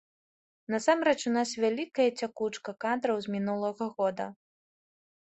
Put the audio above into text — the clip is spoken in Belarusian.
Насамрэч у нас вялікая цякучка кадраў з мінулага года.